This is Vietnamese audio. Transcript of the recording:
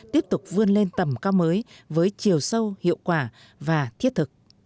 tiếp tục vươn lên tầm cao mới với chiều sâu hiệu quả và thiết thực